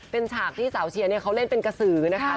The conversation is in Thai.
เป็นฉากที่สาวเชียวเขาเล่นเป็นกะสือนะคะครับ